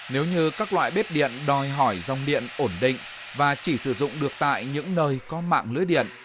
nếu như các loại bếp điện đòi hỏi dòng điện ổn định và chỉ sử dụng được tại những nơi có mạng lưới điện